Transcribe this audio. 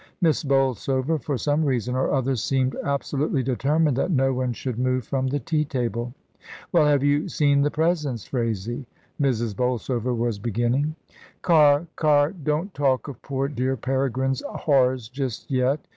Miss Bolsover, for some reason or other, seemed absolutely determined that no one should move from the tea table. "Well! have you seen the presents, Phraisie?" Mrs. Bolsover was beginning. 284 ^OCS, DYMOND. "Car, Car, don't talk of poor dear Peregrine's horrors just yet?"